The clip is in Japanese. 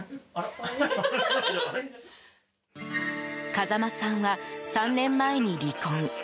風間さんは３年前に離婚。